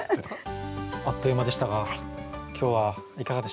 あっという間でしたが今日はいかがでしたか？